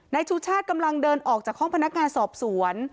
ชูชาติกำลังเดินออกจากห้องพนักงานสอบสวน